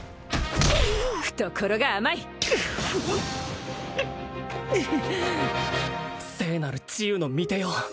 懐が甘い聖なる治癒の御手よ